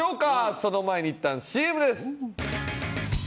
その前にいったんＣＭです。